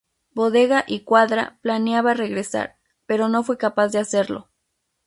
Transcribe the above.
Bodega y Quadra planeaba regresar, pero no fue capaz de hacerlo.